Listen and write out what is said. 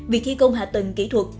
việc thi công hạ tầng kỹ thuật